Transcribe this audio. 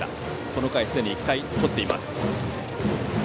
この回、すでに１回とっています。